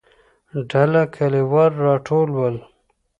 ډله کليوال راټول ول.